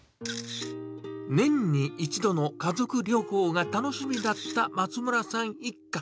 年に一度の家族旅行が楽しみだった松村さん一家。